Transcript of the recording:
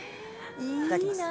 いただきます。